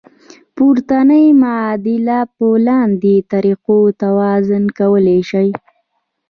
پورتنۍ معادله په لاندې طریقو توازن کولی شئ.